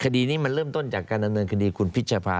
คดีนี้มันเริ่มต้นจากการดำเนินคดีคุณพิชภา